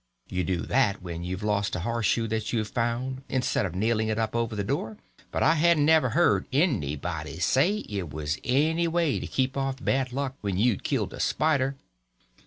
You do that when you've lost a horseshoe that you've found, instead of nailing it up over the door, but I hadn't ever heard anybody say it was any way to keep off bad luck when you'd killed a spider.